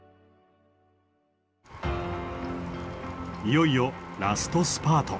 いよいよラストスパート。